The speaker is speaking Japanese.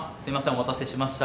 お待たせしました。